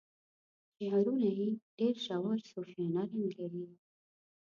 شعرونه یې ډیر ژور صوفیانه رنګ لري.